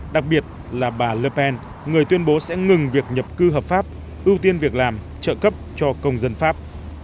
đặc biệt là bà lepen người tuyên bố sẽ ngừng việc nhập cư hợp pháp ưu tiên việc làm trợ cấp cho công dân pháp